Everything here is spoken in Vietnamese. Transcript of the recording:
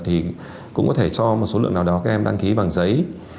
thì cũng có thể cho một số lượng nào đó các em đăng ký bằng giấy